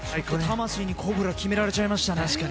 魂にコブラ、決められちゃいましたね。